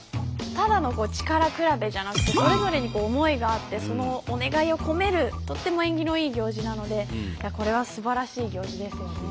ただの力比べじゃなくてそれぞれに思いがあってそのお願いを込めるとっても縁起のいい行事なのでこれはすばらしい行事ですよね。